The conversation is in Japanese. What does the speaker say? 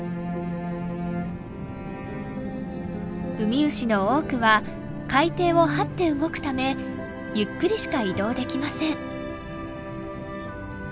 ウミウシの多くは海底をはって動くためゆっくりしか移動できません。